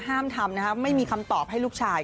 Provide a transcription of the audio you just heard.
ห้ามทำนะครับไม่มีคำตอบให้ลูกชาย